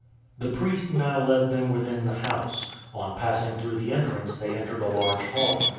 The priest now led them within the house. On passing through the entrance they entered a large hall.